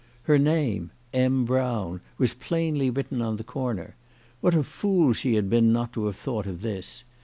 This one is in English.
Her name, " M. Brown," was plainly written on the corner. What a fool she had been not to have thought of this